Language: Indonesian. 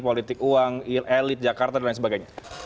politik uang elit jakarta dan lainnya